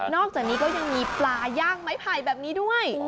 อกจากนี้ก็ยังมีปลาย่างไม้ไผ่แบบนี้ด้วย